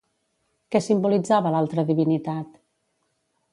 Què simbolitzava l'altra divinitat?